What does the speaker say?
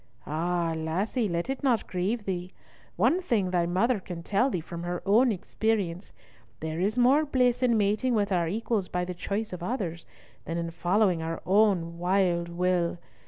Ah, lassie! let it not grieve thee. One thing thy mother can tell thee from her own experience. There is more bliss in mating with our equals, by the choice of others, than in following our own wild will.